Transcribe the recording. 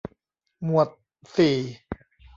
หมวดสี่